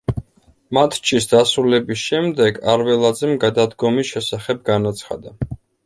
მატჩის დასრულების შემდეგ არველაძემ გადადგომის შესახებ განაცხადა.